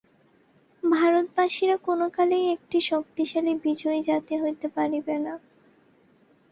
ভারতবাসীরা কোনকালেই একটি শক্তিশালী বিজয়ী জাতি হইতে পারিবে না।